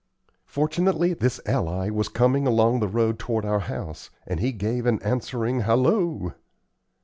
Fortunately, this ally was coming along the road toward our house, and he gave an answering halloo.